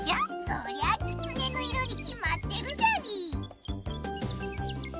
そりゃきつねの色にきまってるじゃりー。